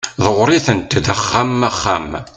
ḍewwer-iten-d axxam axxam